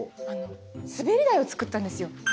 すべり台を作ったんですよ。